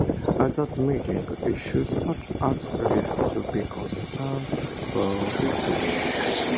At that meeting, issues such as the lifts to be contested were agreed to.